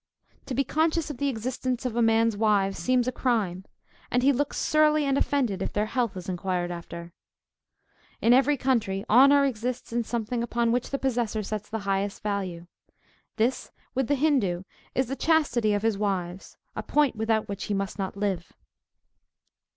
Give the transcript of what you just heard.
To be conscious of the existence of a man's wives seems a crime; and he looks surly and offended if their health is inquired after. In every country, honor consists in something upon which the possessor sets the highest value. This, with the Hindoo, is the chastity of his wives; a point without which he must not live.